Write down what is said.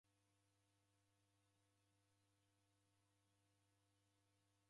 W'andu werechua sa izi.